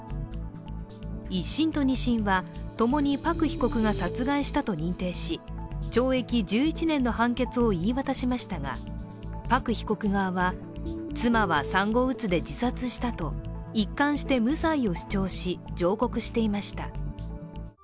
１審と２審はともにパク被告が殺害したと認定し懲役１１年の判決を言い渡しましたが、パク被告側は妻は産後うつで自殺したと一貫して無罪を主張し、上告していました。